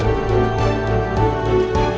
yang penting siapa di sana